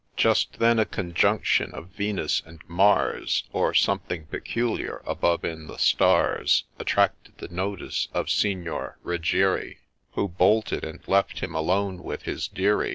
Just then a Conjunction of Venus and Mars, Or something peculiar above in the stars, Attracted the notice of Signor Ruggieri, Who ' bolted,' and left him alone with his deary.